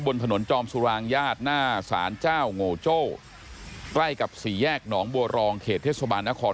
บนถนนจอมสุรางญาติหน้าสารเจ้าโงโจ้ใกล้กับสี่แยกหนองบัวรองเขตเทศบาลนคร